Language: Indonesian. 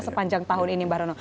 sepanjang tahun ini mbak rono